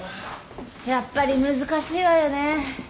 やっぱり難しいわよね。